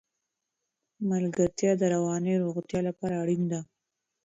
ملګرتیا د رواني روغتیا لپاره اړینه ده.